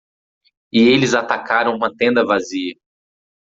E eles atacaram uma tenda vazia.